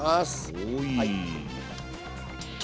はい。